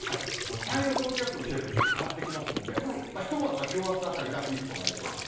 太平洋高気圧の勢力、ちょっと変わってきますんで、ひとまずはきょう、あすあたりがピークとなりそうです。